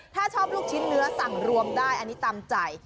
ถ้าชอบลูกชิ้นเนื้อสั่งรวมได้อันนี้ตามใจ